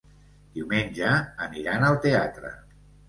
Diumenge aniran al teatre.